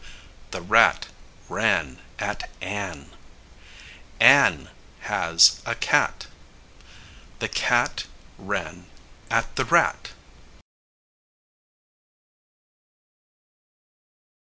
The rat ran at Ann. Ann has a cat. The cat ran at the rat.